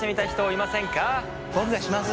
僕がします！